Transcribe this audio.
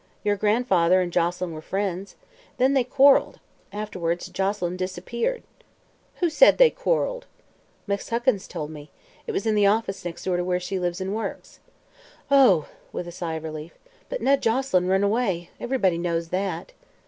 Your grandfather and Joselyn were friends. Then they quarreled. Afterward Joselyn disappeared." "Who said they quarreled?" "Miss Huckins told me. It was in the office, next door to where she lives and works." "Oh," with a sigh of relief. "But Ned Joselyn run away. Ev'rybody knows that."